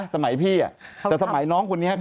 สมัยพี่แต่สมัยน้องคนนี้